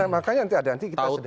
makanya nanti ada nanti kita sudah